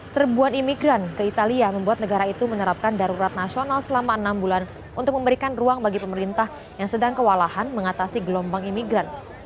serbuan imigran ke italia membuat negara itu menerapkan darurat nasional selama enam bulan untuk memberikan ruang bagi pemerintah yang sedang kewalahan mengatasi gelombang imigran